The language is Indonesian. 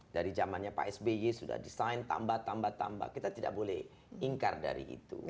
dari zamannya pak sby sudah desain tambah tambah tambah kita tidak boleh ingkar dari itu